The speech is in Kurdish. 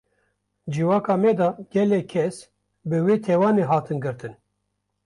Civaka me de gelek kes, bi wê tawanê hatin girtin